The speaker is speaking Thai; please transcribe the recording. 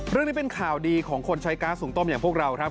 เรื่องนี้เป็นข่าวดีของคนใช้ก๊าซหุงต้มอย่างพวกเราครับ